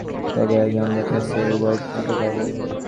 তবে আগে, আমরা ক্যাসেল হোয়াইটরকে যাবো।